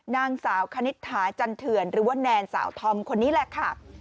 นางสาวคณิตถาจันเถื่อนหรือว่าแนนสาวธอมคนนี้แหละค่ะ